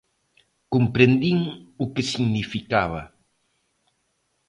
Comprendín o que significaba.